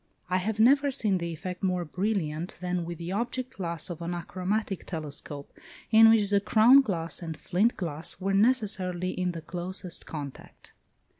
I have never seen the effect more brilliant than with the object glass of an achromatic telescope, in which the crown glass and flint glass were necessarily in the closest contact.